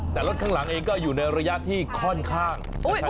แต่รถข้างหลังเองก็อยู่ในระยะที่ค่อนข้างนะครับ